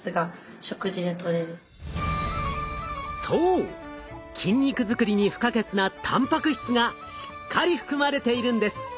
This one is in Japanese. そう筋肉作りに不可欠なたんぱく質がしっかり含まれているんです。